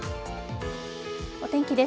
お天気です。